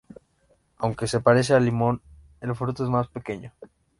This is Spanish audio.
Aunque se parece al limón, el fruto es más pequeño.